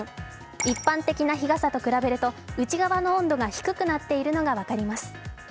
一般的な日傘と比べると内側の温度が低くなっているのが分かります。